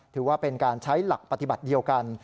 ถือว่าเป็นการใช้หลักปฏิบัติเดียวกัน